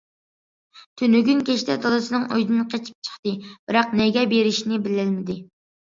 تۈنۈگۈن كەچتە دادىسىنىڭ ئۆيىدىن قېچىپ چىقتى، بىراق نەگە بېرىشنى بىلەلمىدى.